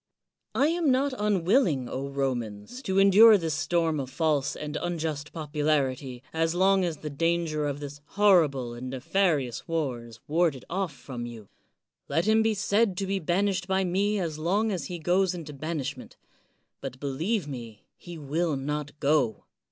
I am not un willing, Romans, to endure this storm of false and unjust popularity as long as the danger of this horrible and nefarious war is warded oflp from you. Let him be said to be banished by me as long as he goes into banishment; but, believe me, he will not go.